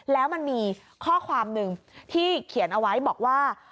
แล้วมันมีข้อความหนึ่งที่เขียนเอาไว้บอกว่า